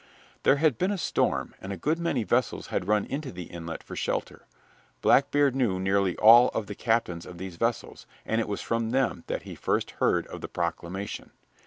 There had been a storm, and a good many vessels had run into the inlet for shelter. Blackbeard knew nearly all of the captains of these vessels, and it was from them that he first heard of the proclamation.